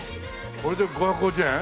これで５５０円？